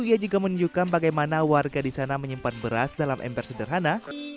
ia juga menunjukkan bagaimana warga di sana menyimpan beras dalam ember sederhana